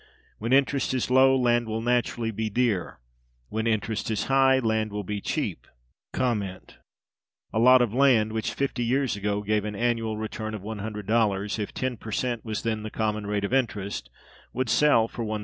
When interest is low, land will naturally be dear; when interest is high, land will be cheap. A lot of land, which fifty years ago gave an annual return of $100, if ten per cent was then the common rate of interest, would sell for $1,000.